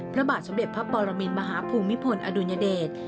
พระบาทสมเด็จพระปรมินมหาภูมิพลอดุญเดช